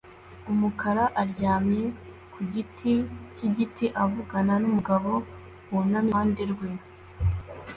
umukara aryamye ku giti cyigiti avugana numugabo wunamye iruhande rwe